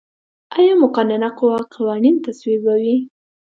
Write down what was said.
آیا مقننه قوه قوانین تصویبوي؟